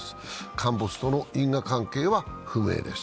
陥没との因果関係は不明です。